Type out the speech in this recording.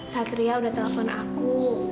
satria udah telepon aku